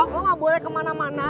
gue gak boleh kemana mana